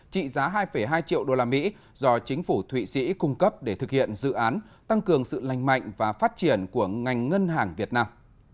trị giá hai hai triệu usd do chính phủ thụy sĩ cung cấp để thực hiện dự án tăng cường sự lành mạnh và phát triển của ngành ngân hàng việt nam